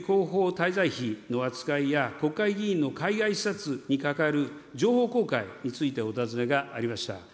滞在費扱いや、国会議員の海外視察にかかる情報公開についてお尋ねがありました。